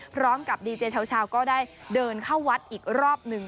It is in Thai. พร้อมกับดีเจชาวก็ได้เดินเข้าวัดอีกรอบหนึ่ง